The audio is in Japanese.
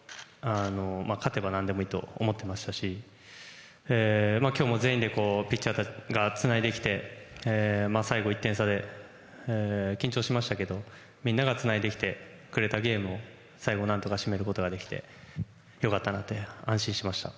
勝てば何でもいいと思ってましたし今日も全員でピッチャーがつないできて最後１点差で緊張しましたけどみんながつないできてくれたゲームを最後何とか締めることができて良かったなと安心しました。